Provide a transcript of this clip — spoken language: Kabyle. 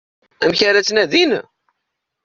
Amek ara tt-nadin?